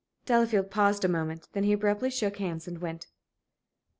Delafield paused a moment. Then he abruptly shook hands and went.